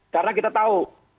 karena kita tahu